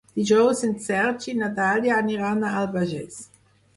Dijous en Sergi i na Dàlia aniran a l'Albagés.